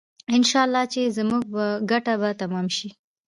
انشاالله چې زموږ په ګټه به تمام شي.